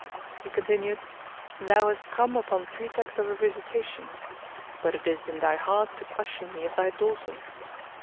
He continued, "Thou hast come upon pretext of a visitation;[FN#221] but it is in thy heart to question me of thy daughter."